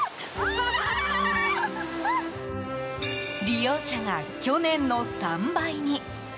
利用者が去年の３倍に。